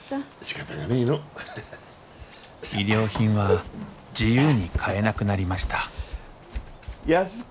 衣料品は自由に買えなくなりました安子。